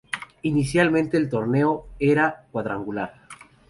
Inicialmente el torneo era cuadrangular.